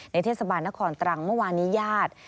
เทศบาลนครตรังเมื่อวานนี้ญาติ